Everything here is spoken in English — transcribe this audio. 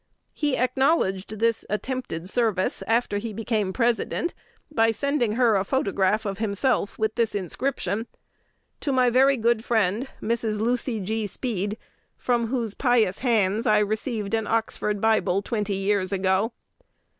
He acknowledged this attempted service, after he became President, by sending her a photograph of himself, with this inscription: "To my very good friend, Mrs. Lucy G. Speed, from whose pious hands I received an Oxford Bible twenty years ago."